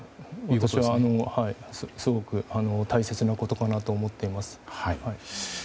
私はすごく大切なことかと思っています。